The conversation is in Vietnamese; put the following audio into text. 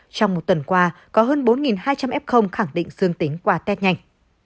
trong một tuần qua có hơn bốn hai trăm linh f khẳng định dương tính qua test nhanh